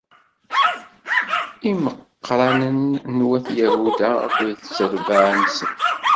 Imeqqranen n wat Yahuda akked trebbaɛ-nsen.